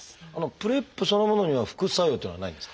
ＰｒＥＰそのものには副作用っていうのはないんですか？